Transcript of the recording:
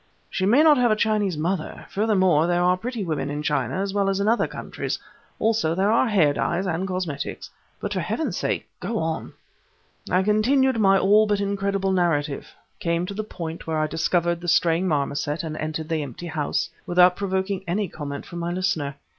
"She may not have a Chinese mother; furthermore, there are pretty women in China as well as in other countries; also, there are hair dyes and cosmetics. But for Heaven's sake go on!" I continued my all but incredible narrative; came to the point where I discovered the straying marmoset and entered the empty house, without provoking any comment from my listener.